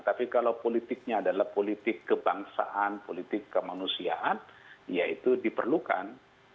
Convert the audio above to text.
tapi kalau politiknya adalah politik kebangsaan politik kemanusiaan ya itu diperlukan